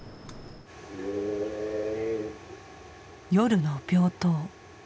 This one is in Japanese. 夜の病棟。